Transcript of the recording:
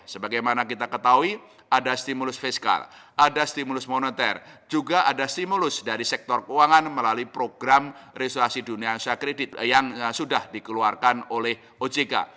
sebagaimana kita ketahui ada stimulus fiskal ada stimulus moneter juga ada stimulus dari sektor keuangan melalui program resuasi dunia usaha kredit yang sudah dikeluarkan oleh ojk